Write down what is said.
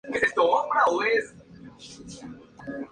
Existen campeonatos oficiales y competiciones más o menos regladas.